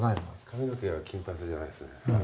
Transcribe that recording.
髪の毛は金髪じゃないですね。